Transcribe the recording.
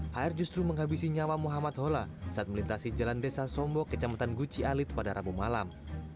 hr justru menghabisi nyawa muhammad hola saat melintasi jalan desa sombo kecamatan guci alit pada rabu malam